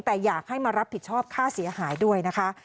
แต่อยากให้มารับผิดชอบค่าเสียหายด้วยนะคะ